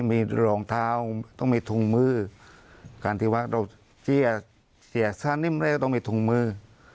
มีรองเท้าต้องมีถุงมือการที่ว่าเราเสียค่านิ่มแล้วก็ต้องมีถุงมือ